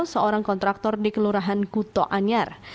seorang kontraktor di kelurahan kuto anyar